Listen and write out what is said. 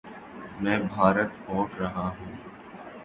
میں بھارت ہوٹ رہا ہوں